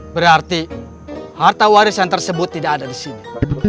berarti harta warisan tersebut tidak ada di sini